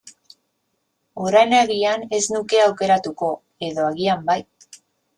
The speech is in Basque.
Orain agian ez nuke aukeratuko, edo agian bai.